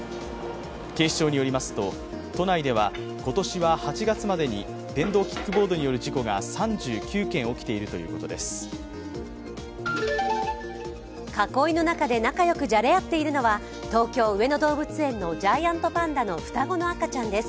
警視庁によりますと、都内では今年は８月までに電動キックボードによる事故が３９件起きているということです。